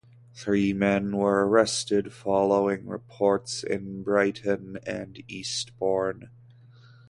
Three men were arrested following reports in Brighton and Eastbourne.